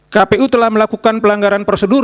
kpu telah melakukan pelanggaran prosedur